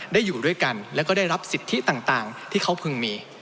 อยู่ด้วยกันแล้วก็ได้รับสิทธิต่างที่เขาพึงมี